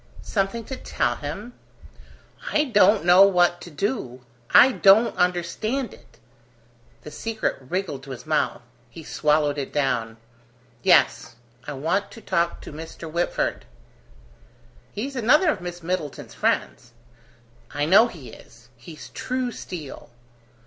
"Something to tell him?" "I don't know what to do: I don't understand it!" The secret wriggled to his mouth. He swallowed it down. "Yes, I want to talk to Mr. Whitford." "He's another of Miss Middleton's friends." "I know he is. He's true steel."